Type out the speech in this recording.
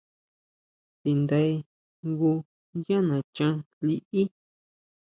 Tindae jngu yá nachan liʼí.